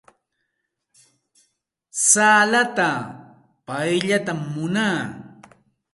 Salata pallaytam munaa.